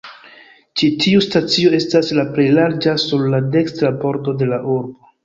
Ĉi tiu stacio estas la plej larĝa sur la dekstra bordo de la urbo.